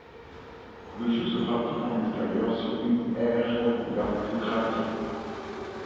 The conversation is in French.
Le jeu se pratique en extérieur sur une aire recouverte de graviers.